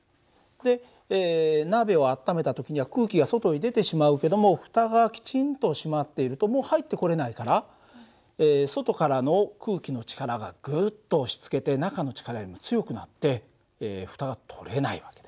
で鍋を温めた時には空気が外へ出てしまうけどもふたがきちんと閉まっているともう入ってこれないから外からの空気の力がグッと押しつけて中の力よりも強くなってふたが取れない訳だよ。